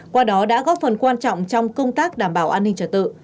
qua đó đã góp phần quan trọng trong công tác đảm bảo an ninh trật tự